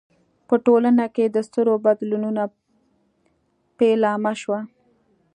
په ټولنه کې د سترو بدلونونو پیلامه شوه.